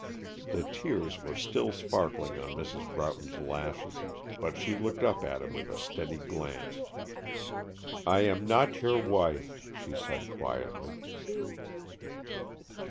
The tears were still sparkling on Mrs. Broughton's lashes, but she looked up at him with a steady glance. "I am not your wife," she said quietly.